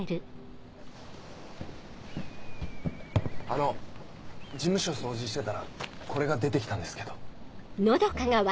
あの事務所掃除してたらこれが出て来たんですけど。